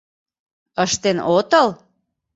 Ыштен отыл?